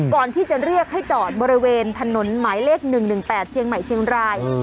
ก่อนที่จะเรียกให้จอดบริเวณถนนหมายเลข๑๑๘เชียงใหม่เชียงราย